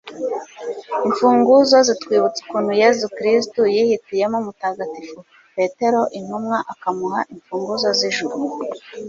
imfunguzo zitwibutsa ukuntu yezu kristu yihitiyemo mutagatifu petero intumwa akamuha imfunguzo z'ijuru